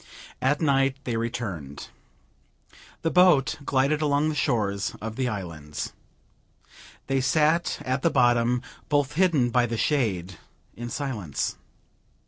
At night they returned. The boat glided along the shores of the islands. They sat at the bottom, both hidden by the shade, in silence.